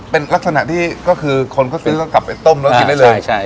เป็นลักษณะที่ก็คือคนเขาซื้อก็กลับไปต้มแล้วกินได้เลย